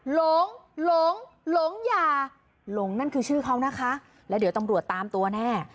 หลงหลงหลงอย่าหลงนั่นคือชื่อเขานะคะแล้วเดี๋ยวตำรวจตามตัวแน่